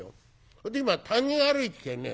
それで今谷を歩いてきてね